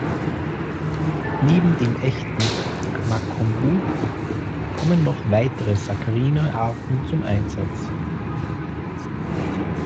Neben dem „echten“ "ma-konbu" kommen noch weitere "Saccharina"-Arten zum Einsatz.